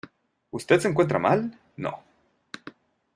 ¿ usted se encuentra mal? no.